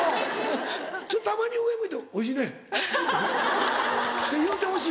たまに上向いて「おいしいね」って言うてほしい？